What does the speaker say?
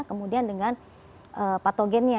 kemudian dengan patogennya